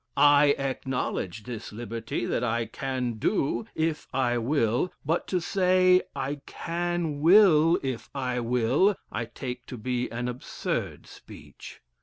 I acknowledge this liberty, that I can do, if I will, but to say, I can will if I will, I take to be an absurd speech."